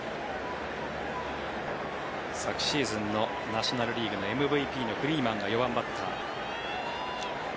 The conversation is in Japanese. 昨シーズンのナショナル・リーグのＭＶＰのフリーマンが４番バッター。